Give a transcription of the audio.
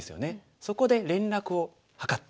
そこで連絡を図って。